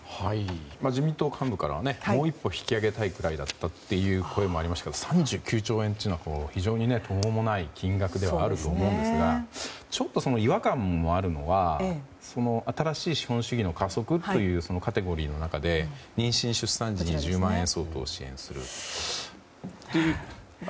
自民党幹部からはもう一歩引き上げたいという声もありましたけど３９兆円というのは非常に途方もない金額でもあると思うんですがちょっと、違和感もあるのは新しい資本主義の加速というカテゴリーの中で妊娠・出産時に１０万円相当を支援するという。